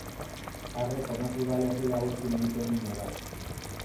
Arrek honako udalerri hauekin egiten du muga.